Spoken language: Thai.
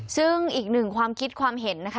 ซึ่งอีกหนึ่งความคิดความเห็นนะคะ